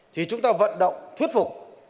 thì chúng ta vận động thuyết phục